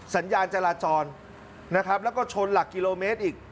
สัญญาณจราจรนะครับแล้วก็ชนหลักกิโลเมตรอีก